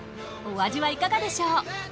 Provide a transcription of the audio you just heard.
お味はいかがでしょう？